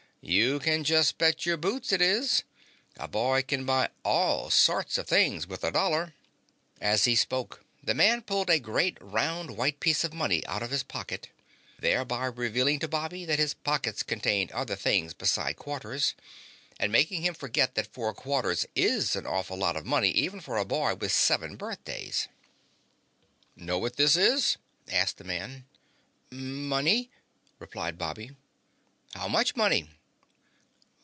"You can just bet your boots it is. A boy can buy all sorts of things with a dollar." As he spoke, the man pulled a great, round white piece of money out of his pocket, thereby revealing to Bobby that his pockets contained other things besides quarters, and making him forget that four quarters is an awful lot of money even for a boy with seven birthdays. "Know what this is?" asked the man. "Money," replied Bobby. "How much money?"